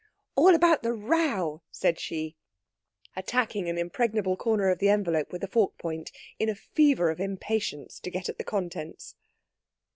"All about the row!" said she, attacking an impregnable corner of the envelope with a fork point, in a fever of impatience to get at the contents.